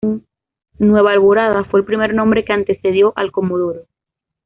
Nueva Alborada fue el primer nombre que antecedió al de Comodoro.